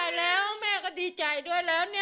ดีใจแล้วแม่ก็ดีใจด้วยแล้วเนี่ย